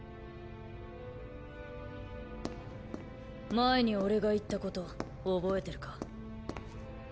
前に俺が言ったこと憶えてるか？